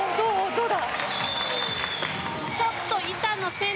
どうだ。